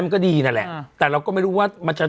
มันก็ดีนั่นแหละแต่เราก็ไม่รู้ว่า